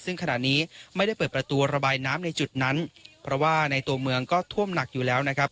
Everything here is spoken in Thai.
ซึ่งขณะนี้ไม่ได้เปิดประตูระบายน้ำในจุดนั้นเพราะว่าในตัวเมืองก็ท่วมหนักอยู่แล้วนะครับ